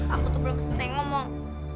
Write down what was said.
aku tuh belum selesai ngomong